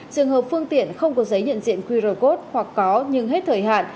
trường hợp phương tiện không có giấy nhận diện qr code hoặc có nhưng hết thời hạn